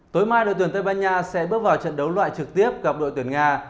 tối mai đội tuyển tây ban nha sẽ bước vào trận đấu loại trực tiếp gặp đội tuyển nga